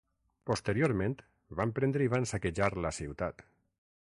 Posteriorment van prendre i van saquejar la ciutat.